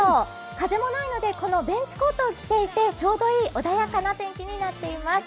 風もないので、ベンチコートを着ていてちょうどいい穏やかな天気になっています。